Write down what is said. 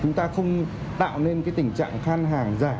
chúng ta không tạo nên cái tình trạng khan hàng giả